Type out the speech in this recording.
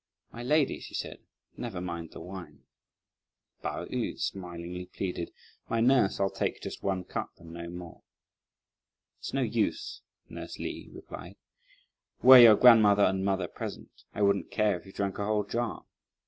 "My lady," she said, "never mind the wine." Pao yü smilingly pleaded: "My nurse, I'll take just one cup and no more." "It's no use," nurse Li replied, "were your grandmother and mother present, I wouldn't care if you drank a whole jar.